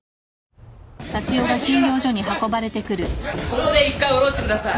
ここで１回下ろしてください。